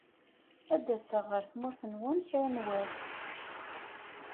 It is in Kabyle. Ad d-aseɣ ɣer tmurt-nwen kra n wass.